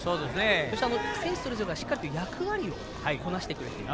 そして、選手たちがしっかりと役割をこなしてくれている。